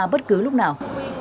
bất cứ lúc nào